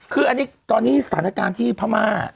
คืออันนี้ตอนนี้สถานการณ์ที่พม่า